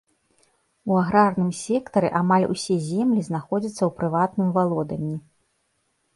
У аграрным сектары амаль усе землі знаходзяцца ў прыватным валоданні.